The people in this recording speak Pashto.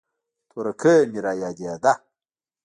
تورکى مې رايادېده.